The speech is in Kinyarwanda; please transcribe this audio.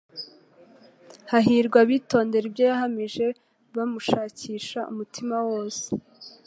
Hahirwa abitondera ibyo yahamije, bamushakisha umutima wose.